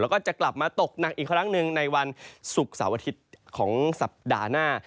แล้วก็จะกลับมาตกหนักอีกครั้งหนึ่งในวันศุกร์เสาร์อาทิตย์ของสัปดาห์หน้า